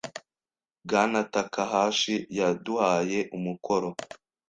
Bwana Takahashi yaduhaye umukoro.